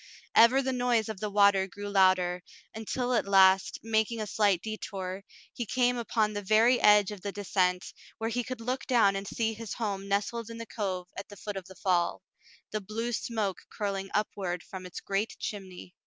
Ever the noise of the water grew louder, until at last, making a slight detour, he came upon the very edge of the descent, where he could look down and see his home nestled in the cove at the foot of the fall, the blue smoke curling upward from its great chimney.